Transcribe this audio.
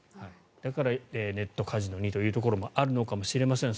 だからネットカジノにというところもあるのかもしれません。